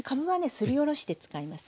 すりおろして使います。